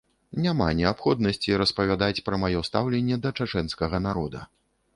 Няма неабходнасці распавядаць пра маё стаўленне да чачэнскага народа.